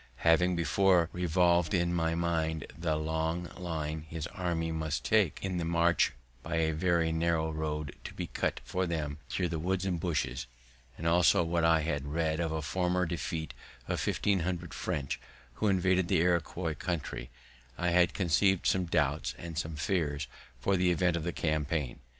Having before revolv'd in my mind the long line his army must make in their march by a very narrow road, to be cut for them thro' the woods and bushes, and also what I had read of a former defeat of fifteen hundred French, who invaded the Iroquois country, I had conceiv'd some doubts and some fears for the event of the campaign.